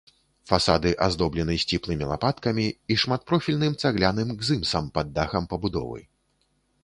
Фасады аздоблены сціплымі лапаткамі і шматпрофільным цагляным гзымсам пад дахам пабудовы.